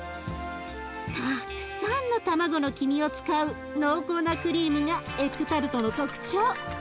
たくさんの卵の黄身を使う濃厚なクリームがエッグタルトの特徴。